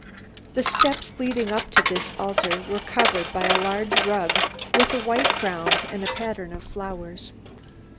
The steps leading up to this altar were covered by a large rug with a white ground and a pattern of flowers.